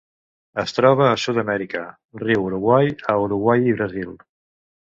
Es troba a Sud-amèrica: riu Uruguai a Uruguai i Brasil.